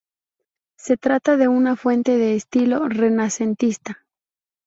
Se trata de una fuente de estilo renacentista.